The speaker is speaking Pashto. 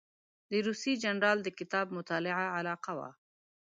د روسي جنرال د کتاب مطالعه علاقه وه.